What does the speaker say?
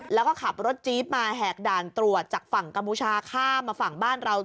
แล้วก็ขับรถจี๊บมาแหกด่านตรวจจากฝั่งกัมพูชาข้ามมาฝั่งบ้านเรา